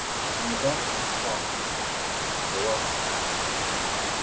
When the dusk is falling, I go out to them again.